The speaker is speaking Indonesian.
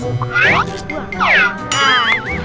tidak maus lagi